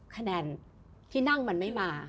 คะแนนที่นั่งมันไม่มา